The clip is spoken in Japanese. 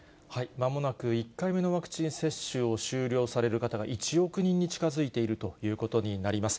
まもなく１回目のワクチン接種を終了される方が、１億人に近づいているということになります。